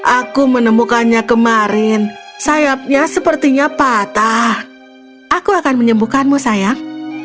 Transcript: aku menemukannya kemarin sayapnya sepertinya patah aku akan menyembuhkanmu sayang